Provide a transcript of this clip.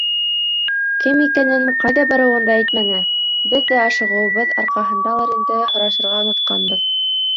Кем икәнен, ҡайҙа барыуын да әйтмәне, беҙ ҙә ашығыуыбыҙ арҡаһындалыр инде, һорашырға онотҡанбыҙ.